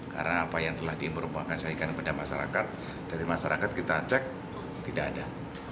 karena apa yang telah diimpor imporkan saya ikan benda masyarakat dari masyarakat kita cek tidak ada